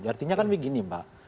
artinya kan begini mbak